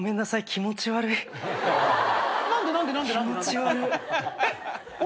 気持ち悪っ。